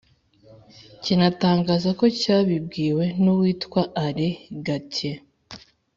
kinatangaza ko cyabibwiwe n'uwitwa alain gauthier,